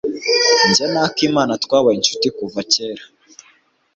Jye na Akimana twabaye inshuti kuva kera.